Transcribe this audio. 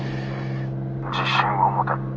「自信を持て」。